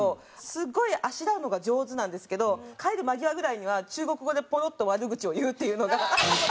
すごいあしらうのが上手なんですけど帰る間際ぐらいには中国語でポロッと悪口を言うっていうのが。